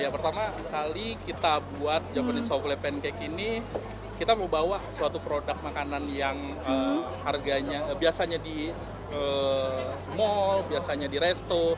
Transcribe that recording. pertama kali kita buat japanese soflay pancake ini kita mau bawa suatu produk makanan yang harganya biasanya di mall biasanya di resto